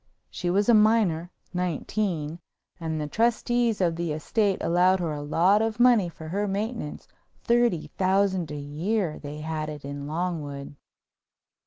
She was a minor—nineteen—and the trustees of the estate allowed her a lot of money for her maintenance, thirty thousand a year they had it in Longwood.